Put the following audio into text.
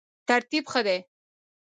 ترتیب ښه دی.